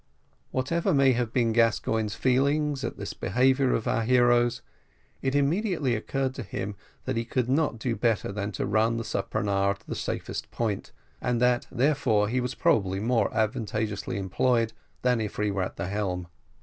Whatever may have been Gascoigne's feelings at this behaviour of our hero's, it immediately occurred to him that he could not do better than to run the speronare to the safest point, and that therefore he was probably more advantageously employed than if he were at the helm.